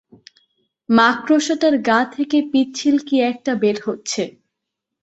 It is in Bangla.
মাকড়সাটার গা থেকে পিচ্ছিল কি একটা বের হচ্ছে।